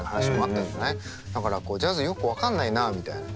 だからジャズよく分かんないなみたいな。